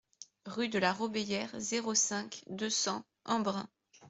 Rue de la Robéyère, zéro cinq, deux cents Embrun